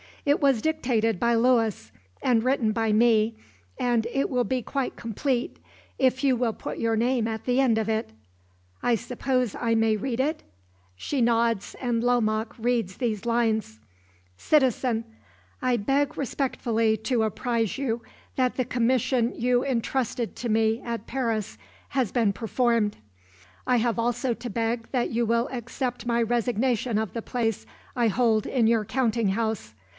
It was dictated by Louis, and written by me, and it will be quite complete, if you will put your name at the end of it." "I suppose I may read it?" She nods, and Lomaque reads these lines: "CITIZEN I beg respectfully to apprise you that the commission you intrusted to me at Paris has been performed. "I have also to beg that you will accept my resignation of the place I hold in your counting house.